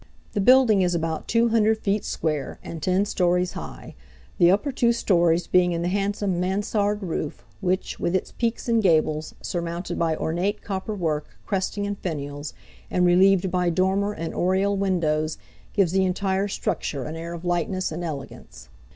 The building is about 200 feet square and 10 stories high, the upper two stories being in the handsome mansard roof which, with its peaks and gables, surmounted by ornate copper work cresting and finials, and relieved by dormer and oriel windows, gives the entire structure an air of lightness and elegance.